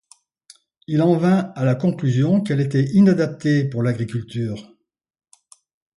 Il en vint à la conclusion qu'elle était inadaptée pour l'agriculture.